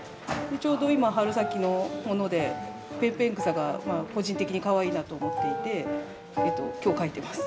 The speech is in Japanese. ちょうど今春先のものでペンペン草が個人的にかわいいなと思っていて今日描いてます。